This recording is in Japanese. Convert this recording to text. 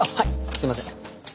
すいません。